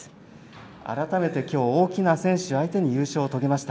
改めて今日、大きな選手相手に優勝を遂げました。